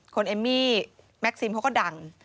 คุณเอมมี่แม็กซิมเขาก็ดัง